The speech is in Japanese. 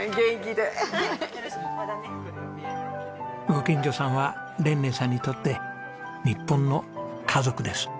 ご近所さんはレンネさんにとって日本の家族です。